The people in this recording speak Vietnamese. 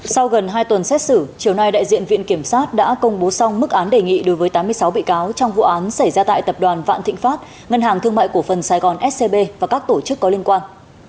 sau gần hai tuần xét xử chiều nay đại diện viện kiểm sát đã công bố xong mức án đề nghị đối với tám mươi sáu bị cáo trong vụ án xảy ra tại tập đoàn vạn thịnh pháp ngân hàng thương mại của phần sài gòn scb và các tổ chức có liên quan